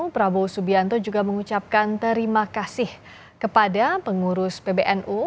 prabowo subianto juga mengucapkan terima kasih kepada pengurus pbnu